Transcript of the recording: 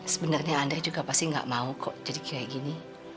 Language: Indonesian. sebenernya andri juga pasti gak mau kok jadi kayak gini